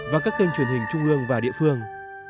và các kênh truyền hình trung ương và địa phương